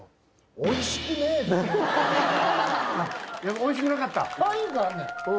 おいしくなかった？